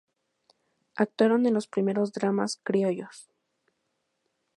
Actuaron en los primeros dramas criollos.